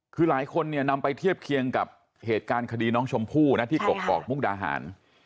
คือหลายคนเนี่ยนำไปเทียบเคียงกับเหตุการณ์คดีน้องชมพู่นะที่กกอกมุกดาหาร